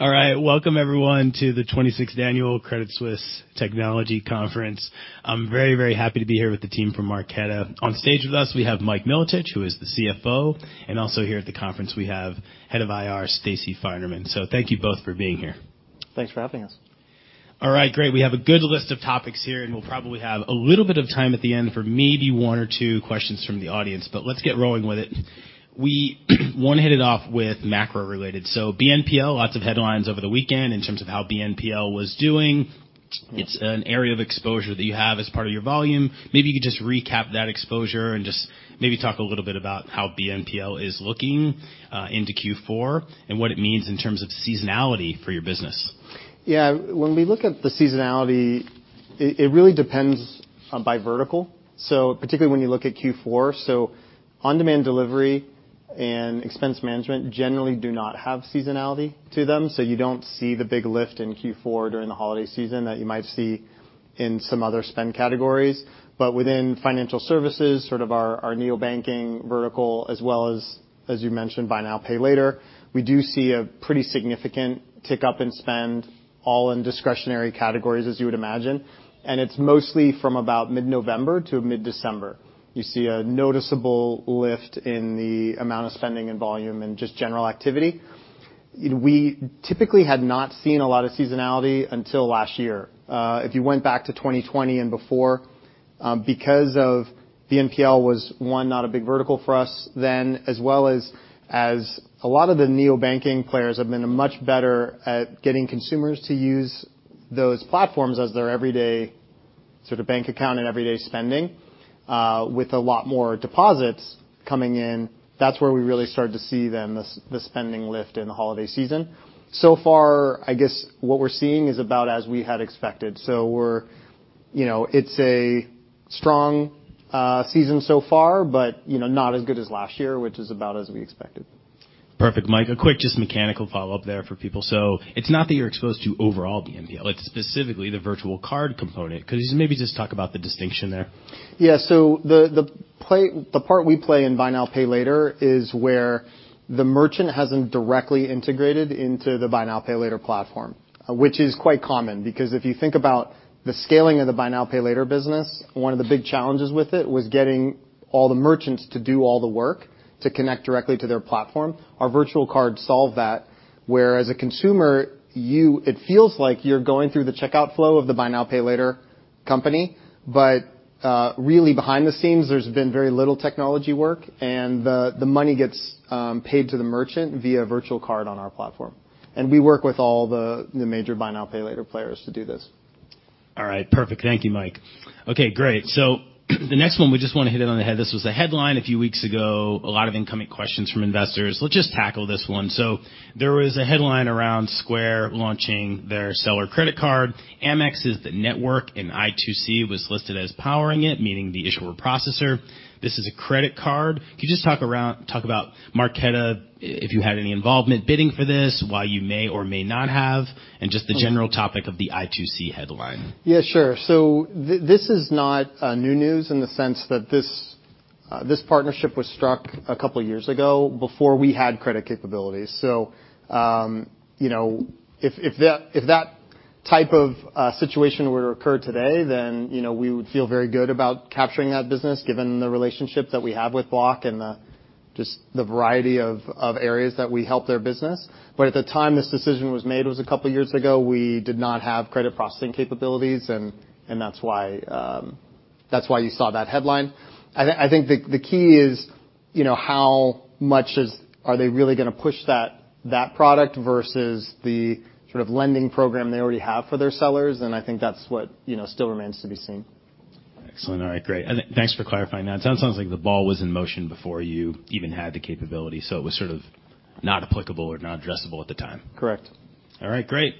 All right. Welcome everyone to the 26th annual Credit Suisse Technology Conference. I'm very, very happy to be here with the team from Marqeta. On stage with us, we have Mike Milotich, who is the CFO, and also here at the conference we have Head of IR, Stacey Finerman. Thank you both for being here. Thanks for having us. All right, great. We have a good list of topics here, and we'll probably have a little bit of time at the end for maybe one or two questions from the audience. Let's get rolling with it. We want to hit it off with macro-related. BNPL, lots of headlines over the weekend in terms of how BNPL was doing. It's an area of exposure that you have as part of your volume. Maybe you could just recap that exposure and just maybe talk a little bit about how BNPL is looking into Q4 and what it means in terms of seasonality for your business. Yeah, when we look at the seasonality, it really depends by vertical, so particularly when you look at Q4. On-demand delivery and expense management generally do not have seasonality to them, so you don't see the big lift in Q4 during the holiday season that you might see in some other spend categories. Within financial services, sort of our neobanking vertical, as well as you mentioned, Buy Now, Pay Later, we do see a pretty significant tick-up in spend all in discretionary categories, as you would imagine. It's mostly from about mid-November to mid-December. You see a noticeable lift in the amount of spending and volume and just general activity. We typically had not seen a lot of seasonality until last year. If you went back to 2020 and before, because of BNPL was, one, not a big vertical for us then, as well as a lot of the neobanking players have been much better at getting consumers to use those platforms as their everyday sort of bank account and everyday spending, with a lot more deposits coming in. That's where we really started to see then the spending lift in the holiday season. Far, I guess what we're seeing is about as we had expected. We're, you know, it's a strong season so far, but, you know, not as good as last year, which is about as we expected. Perfect. Mike, a quick just mechanical follow-up there for people. It's not that you're exposed to overall BNPL, it's specifically the virtual card component. Could you maybe just talk about the distinction there? Yeah. The part we play in Buy Now, Pay Later is where the merchant hasn't directly integrated into the Buy Now, Pay Later platform, which is quite common because if you think about the scaling of the Buy Now, Pay Later business, one of the big challenges with it was getting all the merchants to do all the work to connect directly to their platform. Our virtual card solved that, where as a consumer, it feels like you're going through the checkout flow of the Buy Now, Pay Later company. Really behind the scenes, there's been very little technology work, and the money gets paid to the merchant via virtual card on our platform. We work with all the major Buy Now, Pay Later players to do this. All right. Perfect. Thank you, Mike. Okay, great. The next one, we just wanna hit it on the head. This was a headline a few weeks ago, a lot of incoming questions from investors. Let's just tackle this one. There was a headline around Square launching their seller credit card. Amex is the network, and i2c was listed as powering it, meaning the issuer processor. This is a credit card. Could you just talk about Marqeta, if you had any involvement bidding for this, why you may or may not have, and just the general topic of the i2c headline? Yeah, sure. this is not new news in the sense that this partnership was struck a couple years ago before we had credit capabilities. you know, if that, if that type of situation were to occur today, then, you know, we would feel very good about capturing that business, given the relationship that we have with Block and just the variety of areas that we help their business. At the time this decision was made, it was a couple years ago, we did not have credit processing capabilities and that's why you saw that headline. I think the key is, you know, how much is. Are they really gonna push that product versus the sort of lending program they already have for their sellers? I think that's what, you know, still remains to be seen. Excellent. All right, great. Thanks for clarifying that. It sounds like the ball was in motion before you even had the capability, so it was sort of not applicable or not addressable at the time. Correct. All right, great.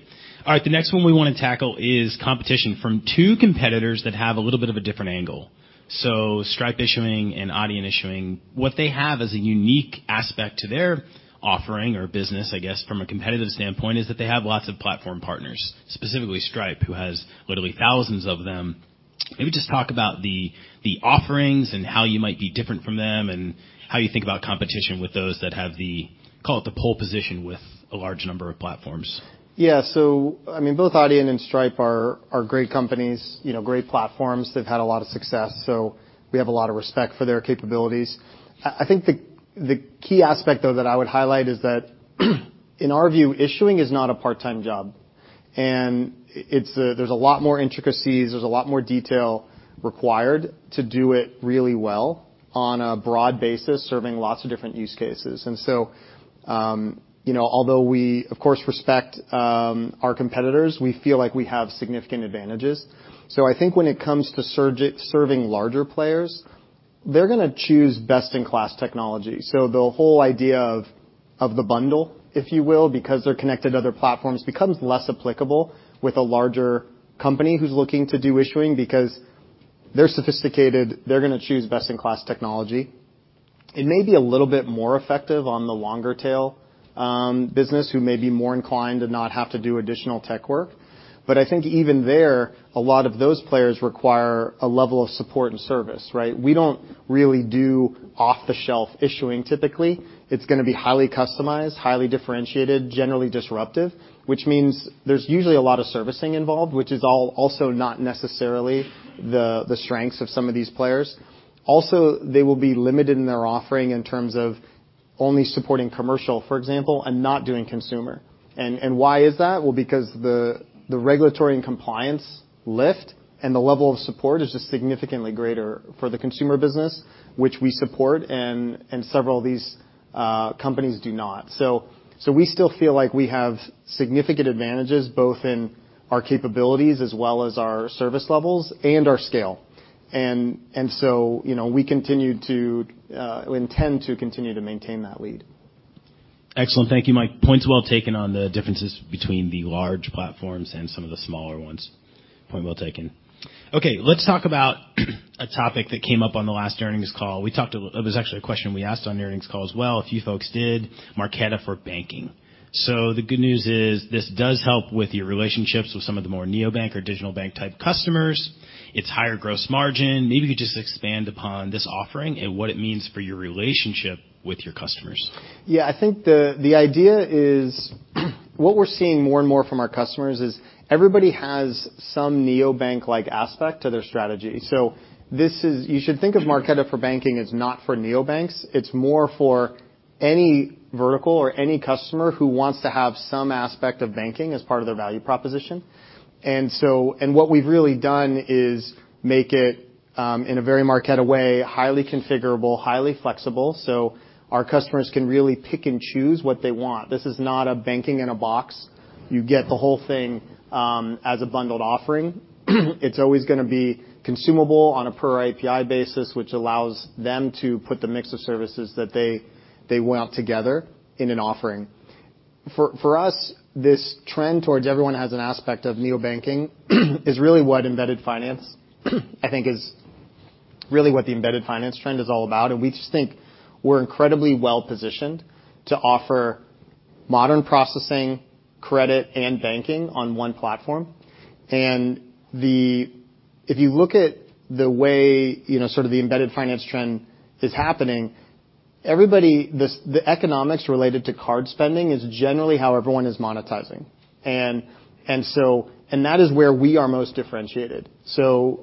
All right. The next one we wanna tackle is competition from two competitors that have a little bit of a different angle. Stripe Issuing and Adyen Issuing, what they have as a unique aspect to their offering or business, I guess, from a competitive standpoint, is that they have lots of platform partners, specifically Stripe, who has literally thousands of them. Maybe just talk about the offerings and how you might be different from them and how you think about competition with those that have the, call it the pole position, with a large number of platforms. Yeah. I mean, both Adyen and Stripe are great companies, you know, great platforms. They've had a lot of success, so we have a lot of respect for their capabilities. I think the key aspect, though, that I would highlight is that, in our view, issuing is not a part-time job, and it's a there's a lot more intricacies, there's a lot more detail required to do it really well on a broad basis, serving lots of different use cases. You know, although we, of course, respect our competitors, we feel like we have significant advantages. I think when it comes to serving larger players, they're gonna choose best-in-class technology. The whole idea of the bundle, if you will, because they're connected to other platforms, becomes less applicable with a larger company who's looking to do issuing because they're sophisticated, they're gonna choose best-in-class technology. It may be a little bit more effective on the longer tail business who may be more inclined to not have to do additional tech work. I think even there, a lot of those players require a level of support and service, right. We don't really do off-the-shelf issuing typically. It's gonna be highly customized, highly differentiated, generally disruptive, which means there's usually a lot of servicing involved, which is also not necessarily the strengths of some of these players. They will be limited in their offering in terms of only supporting commercial, for example, and not doing consumer. Why is that? Well, because the regulatory and compliance lift and the level of support is just significantly greater for the consumer business, which we support, and several of these companies do not. We still feel like we have significant advantages, both in our capabilities as well as our service levels and our scale. You know, we continue to intend to continue to maintain that lead. Excellent. Thank you, Mike. Point's well taken on the differences between the large platforms and some of the smaller ones. Point well taken. Let's talk about a topic that came up on the last earnings call. It was actually a question we asked on the earnings call as well, a few folks did, Marqeta for Banking. The good news is this does help with your relationships with some of the more neobank or digital bank type customers. It's higher gross margin. Maybe you could just expand upon this offering and what it means for your relationship with your customers. Yeah, I think the idea is what we're seeing more and more from our customers is everybody has some neobank-like aspect to their strategy. You should think of Marqeta for Banking as not for neobanks. It's more for any vertical or any customer who wants to have some aspect of banking as part of their value proposition. What we've really done is make it in a very Marqeta way, highly configurable, highly flexible, so our customers can really pick and choose what they want. This is not a banking in a box. You get the whole thing as a bundled offering. It's always gonna be consumable on a per API basis, which allows them to put the mix of services that they want together in an offering. For us, this trend towards everyone has an aspect of neobanking is really what embedded finance I think is really what the embedded finance trend is all about. We just think we're incredibly well positioned to offer modern processing, credit, and banking on one platform. If you look at the way, you know, sort of the embedded finance trend is happening, everybody, the economics related to card spending is generally how everyone is monetizing. That is where we are most differentiated.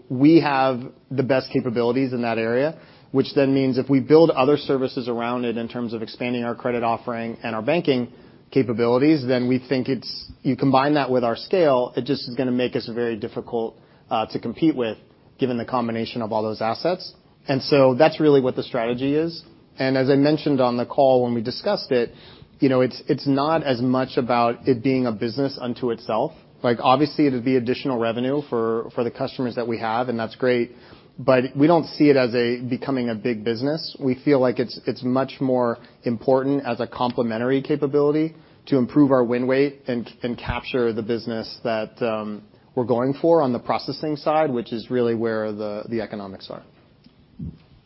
We have the best capabilities in that area, which then means if we build other services around it in terms of expanding our credit offering and our banking capabilities, then we think it's. You combine that with our scale, it just is gonna make us very difficult to compete with given the combination of all those assets. That's really what the strategy is. As I mentioned on the call when we discussed it, you know, it's not as much about it being a business unto itself. Like, obviously, it'd be additional revenue for the customers that we have, and that's great, but we don't see it as a becoming a big business. We feel like it's much more important as a complementary capability to improve our win rate and capture the business that we're going for on the processing side, which is really where the economics are.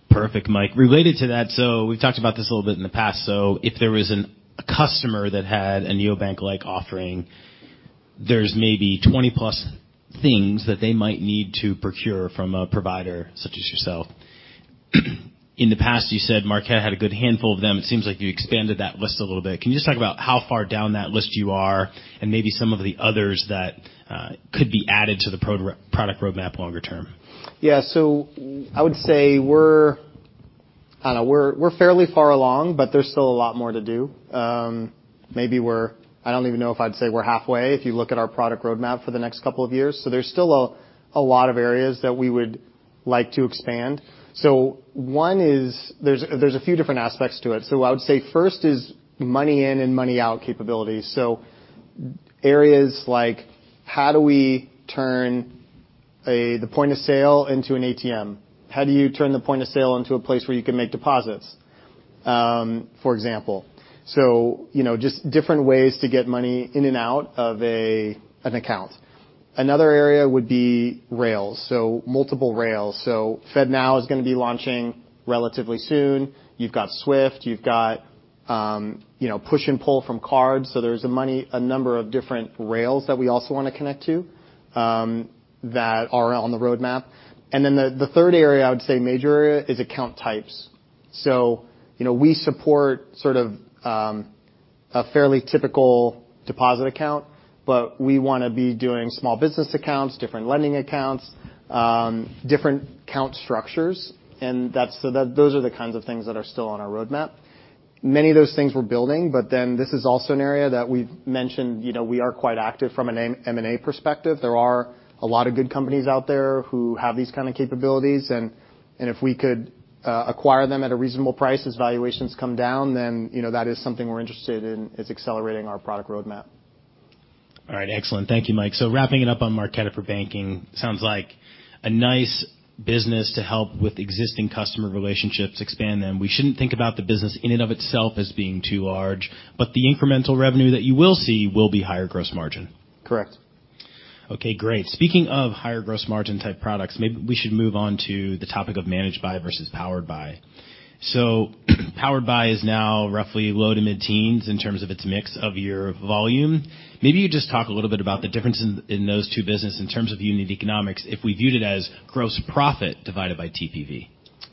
Perfect, Mike. Related to that, we've talked about this a little bit in the past. If there was a customer that had a neobank-like offering, there's maybe 20+ things that they might need to procure from a provider such as yourself. In the past, you said Marqeta had a good handful of them. It seems like you expanded that list a little bit. Can you just talk about how far down that list you are and maybe some of the others that could be added to the product roadmap longer term? Yeah. I would say we're, I don't know, we're fairly far along, but there's still a lot more to do. Maybe I don't even know if I'd say we're halfway if you look at our product roadmap for the next couple of years. There's still a lot of areas that we would like to expand. One is there's a few different aspects to it. I would say first is money in and money out capabilities. Areas like how do we turn the point of sale into an ATM? How do you turn the point of sale into a place where you can make deposits, for example? You know, just different ways to get money in and out of an account. Another area would be rails, so multiple rails. FedNow is gonna be launching relatively soon. You've got SWIFT. You've got, you know, push and pull from cards. There's a money, a number of different rails that we also wanna connect to that are on the roadmap. Then the third area, I would say major area is account types. You know, we support sort of a fairly typical deposit account. We wanna be doing small business accounts, different lending accounts, different account structures, so that, those are the kinds of things that are still on our roadmap. Many of those things we're building, this is also an area that we've mentioned, you know, we are quite active from an M&A perspective. There are a lot of good companies out there who have these kind of capabilities, and if we could acquire them at a reasonable price as valuations come down, then, you know, that is something we're interested in as accelerating our product roadmap. All right. Excellent. Thank you, Mike. Wrapping it up on Marqeta for Banking, sounds like a nice business to help with existing customer relationships, expand them. We shouldn't think about the business in and of itself as being too large, but the incremental revenue that you will see will be higher gross margin. Correct. Okay, great. Speaking of higher gross margin type products, maybe we should move on to the topic of Managed by versus Powered by. Powered by is now roughly low to mid-teens in terms of its mix of your volume. Maybe you just talk a little bit about the difference in those two business in terms of unit economics if we viewed it as gross profit divided by TPV.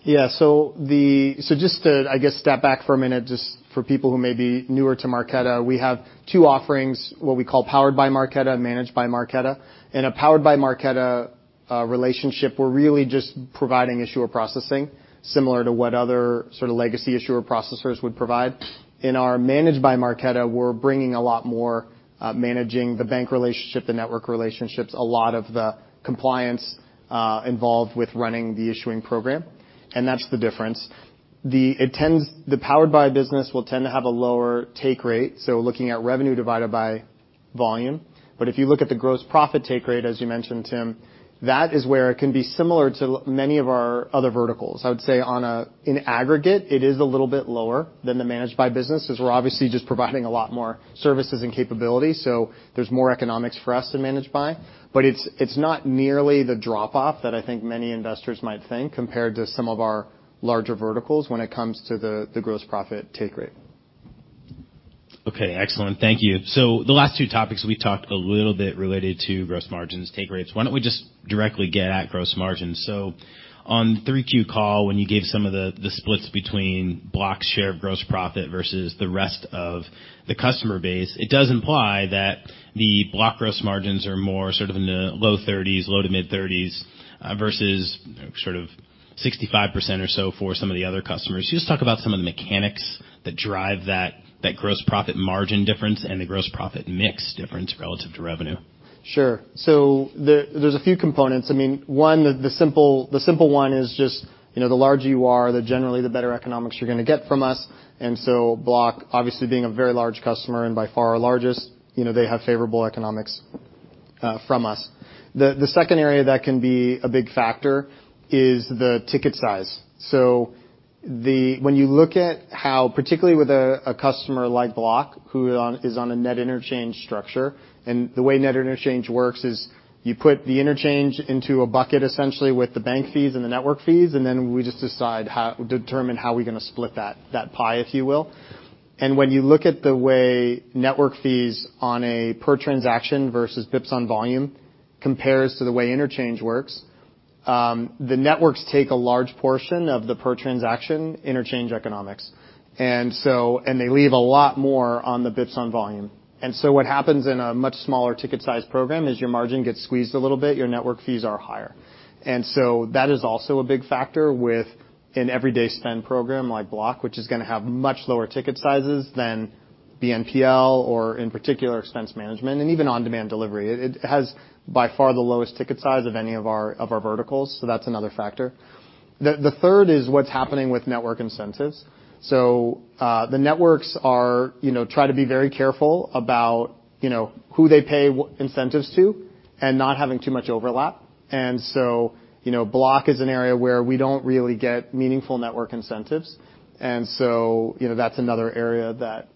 Yeah. Just to, I guess, step back for a minute, just for people who may be newer to Marqeta, we have two offerings, what we call Powered by Marqeta and Managed by Marqeta. In a Powered by Marqeta relationship, we're really just providing issuer processing, similar to what other sort of legacy issuer processors would provide. In our Managed by Marqeta, we're bringing a lot more, managing the bank relationship, the network relationships, a lot of the compliance involved with running the issuing program, and that's the difference. The Powered by business will tend to have a lower take rate, so looking at revenue divided by volume. If you look at the gross profit take rate, as you mentioned, Tim, that is where it can be similar to many of our other verticals. I would say on a in aggregate, it is a little bit lower than the managed by business, as we're obviously just providing a lot more services and capability. There's more economics for us to manage by. It's not nearly the drop off that I think many investors might think compared to some of our larger verticals when it comes to the gross profit take rate. Okay, excellent. Thank you. The last two topics, we talked a little bit related to gross margins, take rates. Why don't we just directly get at gross margins? On the 3Q call, when you gave some of the splits between Block share of gross profit versus the rest of the customer base, it does imply that the Block gross margins are more sort of in the low 30s, low to mid-30s, versus sort of 65% or so for some of the other customers. Can you just talk about some of the mechanics that drive that gross profit margin difference and the gross profit mix difference relative to revenue? Sure. There's a few components. I mean, one, the simple, the simple one is just, you know, the larger you are, the generally the better economics you're gonna get from us. Block obviously being a very large customer and by far our largest, you know, they have favorable economics from us. The second area that can be a big factor is the ticket size. When you look at how, particularly with a customer like Block, who is on a net interchange structure, and the way net interchange works is you put the interchange into a bucket, essentially with the bank fees and the network fees, and then we just decide how determine how we're gonna split that pie, if you will. When you look at the way network fees on a per transaction versus bps on volume compares to the way interchange works, the networks take a large portion of the per transaction interchange economics. They leave a lot more on the bps on volume. What happens in a much smaller ticket size program is your margin gets squeezed a little bit, your network fees are higher. That is also a big factor with an everyday spend program like Block, which is gonna have much lower ticket sizes than BNPL or in particular expense management and even on-demand delivery. It has by far the lowest ticket size of any of our, of our verticals. That's another factor. The third is what's happening with network incentives. The networks you know, try to be very careful about you know, who they pay incentives to and not having too much overlap. Block is an area where we don't really get meaningful network incentives. That's another area that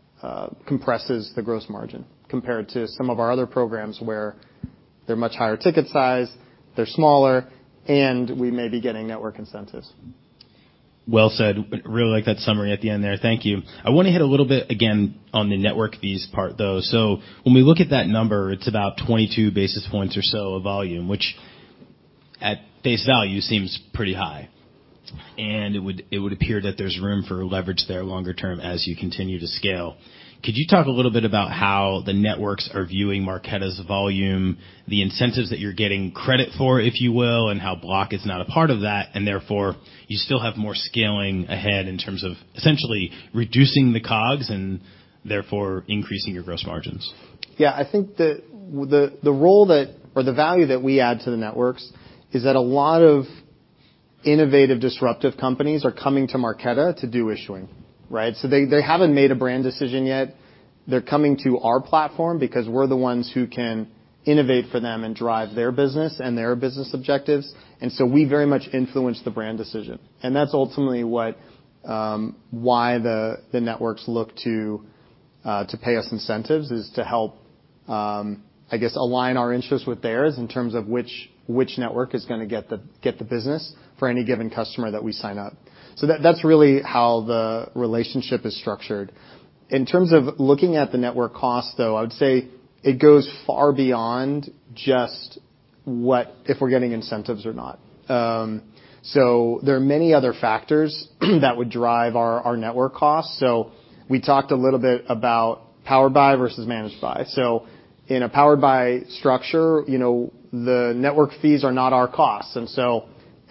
compresses the gross margin compared to some of our other programs where they're much higher ticket size, they're smaller, and we may be getting network incentives. Well said. Really like that summary at the end there. Thank you. I wanna hit a little bit again on the network fees part, though. When we look at that number, it's about 22 basis points or so of volume, which at face value seems pretty high. It would appear that there's room for leverage there longer term as you continue to scale. Could you talk a little bit about how the networks are viewing Marqeta's volume, the incentives that you're getting credit for, if you will, and how Block is not a part of that, and therefore you still have more scaling ahead in terms of essentially reducing the cogs and therefore increasing your gross margins? Yeah. I think the role that or the value that we add to the networks is that a lot of innovative, disruptive companies are coming to Marqeta to do issuing, right? They haven't made a brand decision yet. They're coming to our platform because we're the ones who can innovate for them and drive their business and their business objectives. We very much influence the brand decision. That's ultimately what why the networks look to pay us incentives, is to help, I guess, align our interests with theirs in terms of which network is gonna get the business for any given customer that we sign up. That's really how the relationship is structured. In terms of looking at the network cost, though, I would say it goes far beyond just if we're getting incentives or not. There are many other factors that would drive our network costs. We talked a little bit about powered by versus managed by. In a powered by structure, you know, the network fees are not our costs.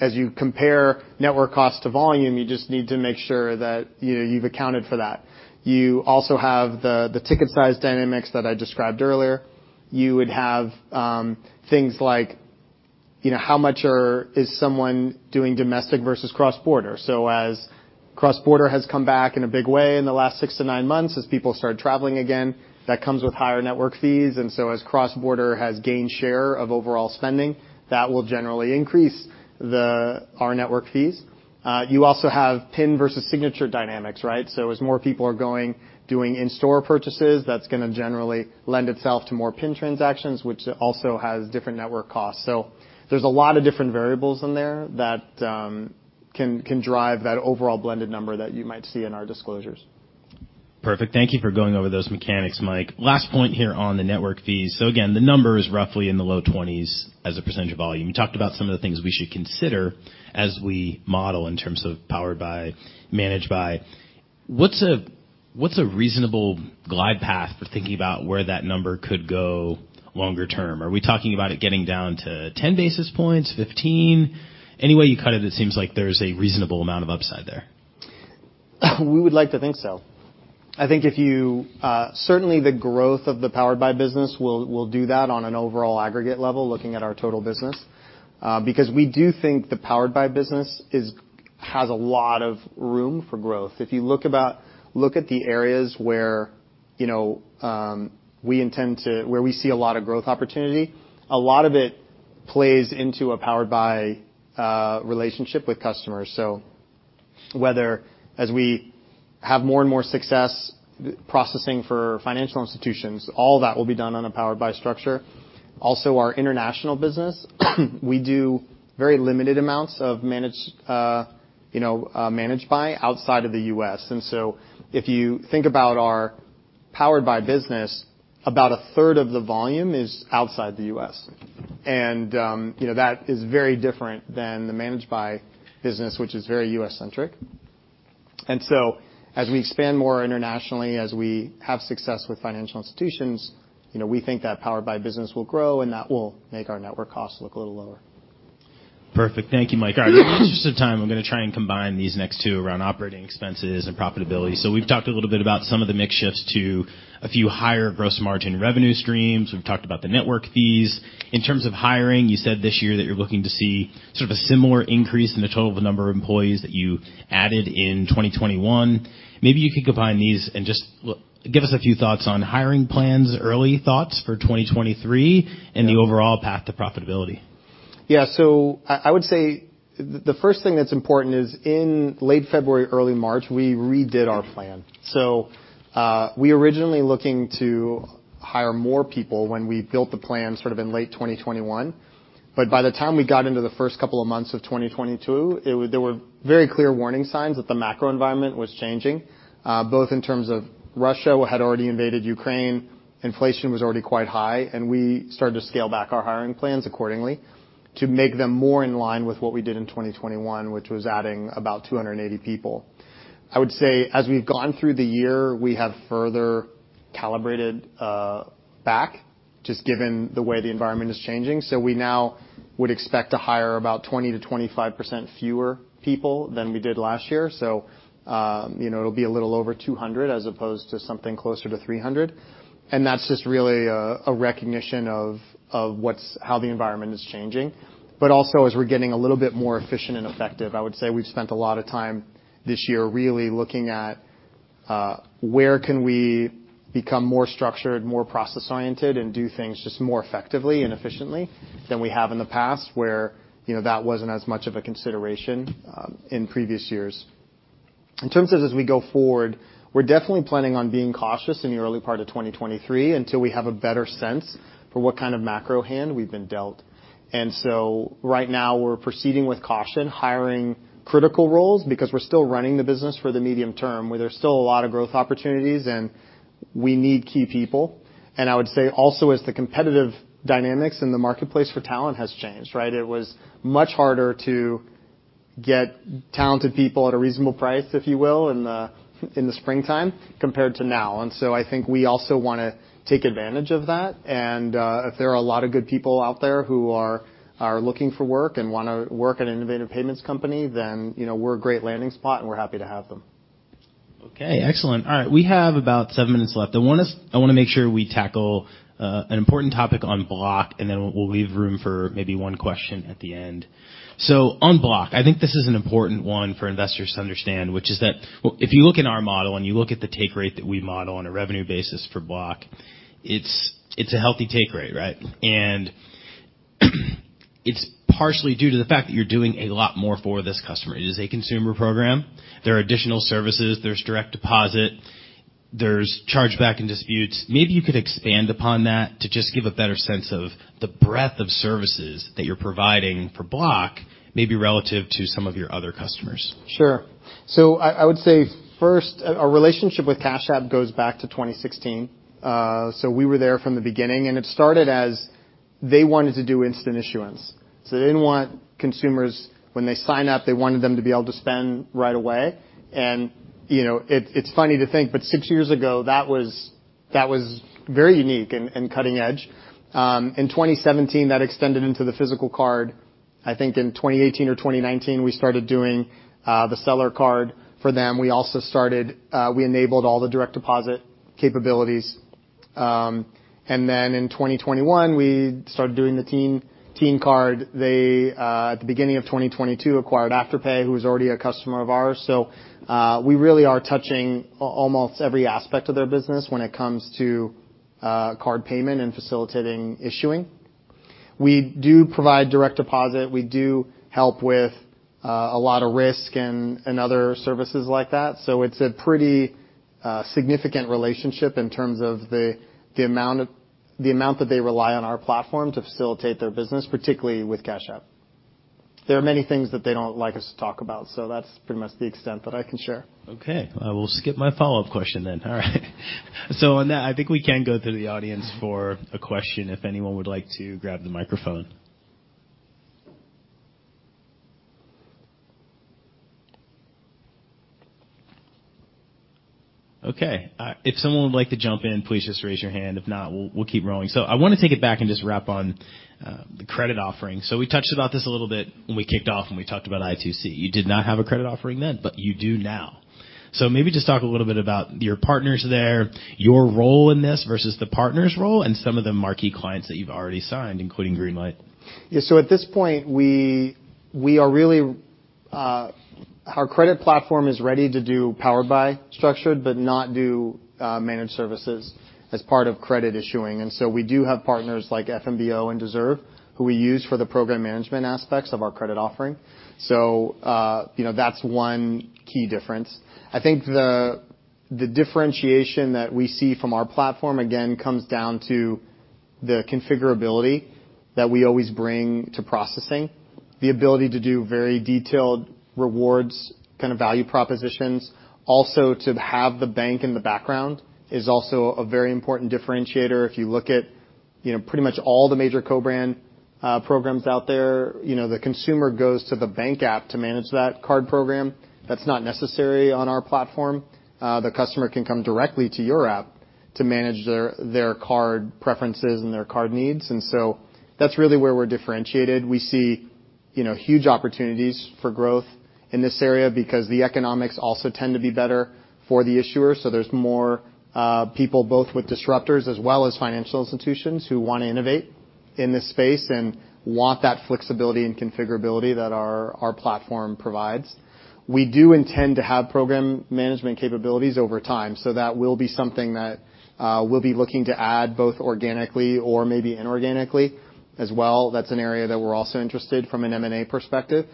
As you compare network costs to volume, you just need to make sure that, you know, you've accounted for that. You also have the ticket size dynamics that I described earlier. You would have things like, you know, how much is someone doing domestic versus cross-border. As cross-border has come back in a big way in the last six to nine months, as people start traveling again, that comes with higher network fees. As cross-border has gained share of overall spending, that will generally increase our network fees. You also have PIN versus signature dynamics, right. As more people are going, doing in-store purchases, that's gonna generally lend itself to more PIN transactions, which also has different network costs. There's a lot of different variables in there that can drive that overall blended number that you might see in our disclosures. Perfect. Thank you for going over those mechanics, Mike. Last point here on the network fees. Again, the number is roughly in the low 20s as a percent of volume. You talked about some of the things we should consider as we model in terms of Powered by, Managed by. What's a reasonable glide path for thinking about where that number could go longer term? Are we talking about it getting down to 10 basis points, 15 basis points? Any way you cut it seems like there's a reasonable amount of upside there. We would like to think so. I think if you, certainly, the growth of the Powered by business will do that on an overall aggregate level, looking at our total business, because we do think the Powered by business has a lot of room for growth. If you look at the areas where, you know, we intend to where we see a lot of growth opportunity, a lot of it plays into a Powered by relationship with customers. Whether as we have more and more success processing for financial institutions, all that will be done on a Powered by structure. Our international business, we do very limited amounts of Managed, you know, Managed by outside of the U.S. If you think about our Powered by business, about 1/3 of the volume is outside the U.S. You know, that is very different than the Managed by Marqeta business, which is very U.S.-centric. As we expand more internationally, as we have success with financial institutions, you know, we think that Powered by Marqeta business will grow, and that will make our network costs look a little lower. Perfect. Thank you, Mike. All right. In the interest of time, I'm gonna try and combine these next two around operating expenses and profitability. We've talked a little bit about some of the mix shifts to a few higher gross margin revenue streams. We've talked about the network fees. In terms of hiring, you said this year that you're looking to see sort of a similar increase in the total number of employees that you added in 2021. Maybe you could combine these and just give us a few thoughts on hiring plans, early thoughts for 2023, and the overall path to profitability. Yeah. I would say the first thing that's important is in late February, early March, we redid our plan. We originally looking to hire more people when we built the plan sort of in late 2021. By the time we got into the first couple of months of 2022, there were very clear warning signs that the macro environment was changing, both in terms of Russia had already invaded Ukraine, inflation was already quite high, and we started to scale back our hiring plans accordingly to make them more in line with what we did in 2021, which was adding about 280 people. I would say, as we've gone through the year, we have further calibrated back just given the way the environment is changing. We now would expect to hire about 20%-25% fewer people than we did last year. You know, it'll be a little over 200 as opposed to something closer to 300. That's just really a recognition of how the environment is changing. Also, as we're getting a little bit more efficient and effective, I would say we've spent a lot of time this year really looking at where can we become more structured, more process-oriented, and do things just more effectively and efficiently than we have in the past where, you know, that wasn't as much of a consideration in previous years. In terms of as we go forward, we're definitely planning on being cautious in the early part of 2023 until we have a better sense for what kind of macro hand we've been dealt. Right now, we're proceeding with caution, hiring critical roles because we're still running the business for the medium term, where there's still a lot of growth opportunities, and we need key people. I would say also, as the competitive dynamics in the marketplace for talent has changed, right? It was much harder to get talented people at a reasonable price, if you will, in the springtime compared to now. I think we also wanna take advantage of that. If there are a lot of good people out there who are looking for work and wanna work at an innovative payments company, then, you know, we're a great landing spot, and we're happy to have them. Okay, excellent. All right. We have about seven minutes left. I wanna make sure we tackle an important topic on Block. Then we'll leave room for maybe one question at the end. On Block, I think this is an important one for investors to understand, which is that if you look in our model and you look at the take rate that we model on a revenue basis for Block, it's a healthy take rate, right? It's partially due to the fact that you're doing a lot more for this customer. It is a consumer program. There are additional services. There's direct deposit. There's chargeback and disputes. Maybe you could expand upon that to just give a better sense of the breadth of services that you're providing for Block, maybe relative to some of your other customers. Sure. I would say first, our relationship with Cash App goes back to 2016. We were there from the beginning, and it started as they wanted to do instant issuance. They didn't want consumers, when they sign up, they wanted them to be able to spend right away. You know, it's funny to think, but six years ago, that was, that was very unique and cutting edge. In 2017, that extended into the physical card. I think in 2018 or 2019, we started doing, the seller card for them. We also started, we enabled all the direct deposit capabilities. In 2021, we started doing the teen card. At the beginning of 2022, acquired Afterpay, who was already a customer of ours. We really are touching almost every aspect of their business when it comes to card payment and facilitating issuing. We do provide direct deposit. We do help with a lot of risk and other services like that. It's a significant relationship in terms of the amount that they rely on our platform to facilitate their business, particularly with Cash App. There are many things that they don't like us to talk about, that's pretty much the extent that I can share. I will skip my follow-up question then. On that, I think we can go to the audience for a question if anyone would like to grab the microphone. If someone would like to jump in, please just raise your hand. If not, we'll keep rolling. I wanna take it back and just wrap on the credit offering. We touched about this a little bit when we kicked off, when we talked about i2c. You did not have a credit offering then, but you do now. Maybe just talk a little bit about your partners there, your role in this versus the partner's role, and some of the marquee clients that you've already signed, including Greenlight. Yeah. At this point, we are really Our credit platform is ready to do Powered by Marqeta, but not do managed services as part of credit issuing. We do have partners like FNBO and Deserve who we use for the program management aspects of our credit offering. You know, that's one key difference. I think the differentiation that we see from our platform, again, comes down to the configurability that we always bring to processing, the ability to do very detailed rewards, kind of value propositions. Also to have the bank in the background is also a very important differentiator. If you look at, you know, pretty much all the major co-brand programs out there, you know, the consumer goes to the bank app to manage that card program. That's not necessary on our platform. The customer can come directly to your app to manage their card preferences and their card needs. That's really where we're differentiated. We see, you know, huge opportunities for growth in this area because the economics also tend to be better for the issuer. There's more people both with disruptors as well as financial institutions who wanna innovate in this space and want that flexibility and configurability that our platform provides. We do intend to have program management capabilities over time, that will be something that we'll be looking to add both organically or maybe inorganically as well. That's an area that we're also interested from an M&A perspective.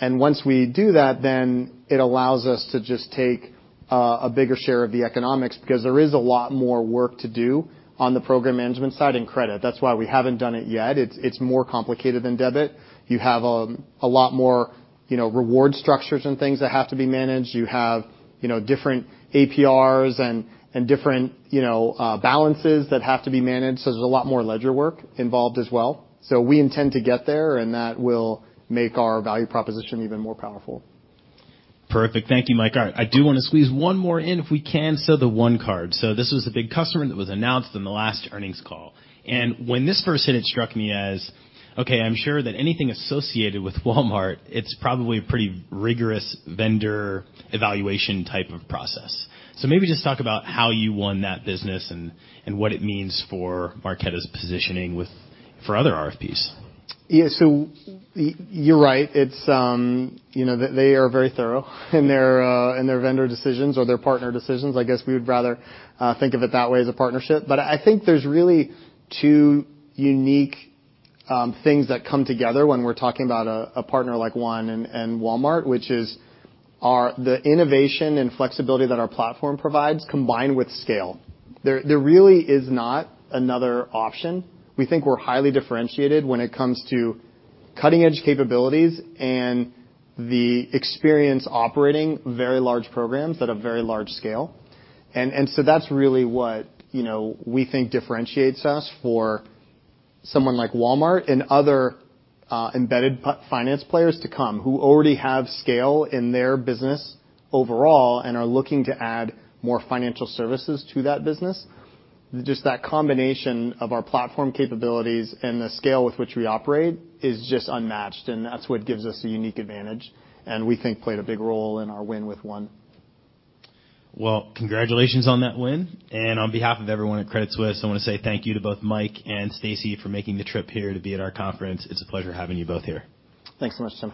Once we do that, then it allows us to just take a bigger share of the economics because there is a lot more work to do on the program management side and credit. That's why we haven't done it yet. It's more complicated than debit. You have a lot more, you know, reward structures and things that have to be managed. You have, you know, different APRs and different, you know, balances that have to be managed. There's a lot more ledger work involved as well. We intend to get there, and that will make our value proposition even more powerful. Perfect. Thank you, Mike. All right. I do wanna squeeze one more in if we can. The One card. This was a big customer that was announced in the last earnings call. When this first hit, it struck me as, okay, I'm sure that anything associated with Walmart, it's probably a pretty rigorous vendor evaluation type of process. Maybe just talk about how you won that business and what it means for Marqeta's positioning for other RFPs. Yeah. You're right. It's, you know, they are very thorough in their vendor decisions or their partner decisions. I guess we would rather think of it that way as a partnership. I think there's really two unique things that come together when we're talking about a partner like One and Walmart, which is the innovation and flexibility that our platform provides combined with scale. There really is not another option. We think we're highly differentiated when it comes to cutting-edge capabilities and the experience operating very large programs at a very large scale. That's really what, you know, we think differentiates us for someone like Walmart and other embedded finance players to come who already have scale in their business overall and are looking to add more financial services to that business. Just that combination of our platform capabilities and the scale with which we operate is just unmatched, and that's what gives us a unique advantage and we think played a big role in our win with One. Well, congratulations on that win. On behalf of everyone at Credit Suisse, I wanna say thank you to both Mike and Stacey for making the trip here to be at our conference. It's a pleasure having you both here. Thanks so much, Tim.